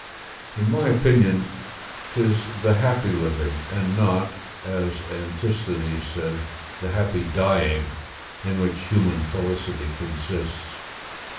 In my opinion, 'tis the happy living, and not (as Antisthenes' said) the happy dying, in which human felicity consists.